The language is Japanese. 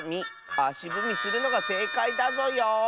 あしぶみするのがせいかいだぞよ。